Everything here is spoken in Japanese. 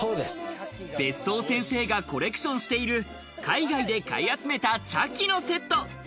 別荘先生がコレクションしている海外で買い集めた、茶器のセット。